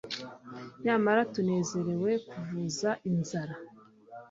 nyamara tunezerewe kuvuza inzara